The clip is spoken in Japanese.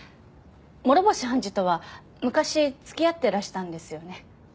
諸星判事とは昔付き合ってらしたんですよね？